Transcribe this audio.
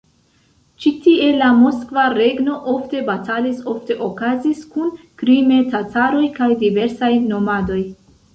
Ĉi tie la Moskva Regno ofte batalis ofte okazis kun krime-tataroj kaj diversaj nomadoj.